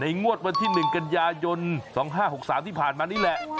งวดวันที่๑กันยายน๒๕๖๓ที่ผ่านมานี่แหละ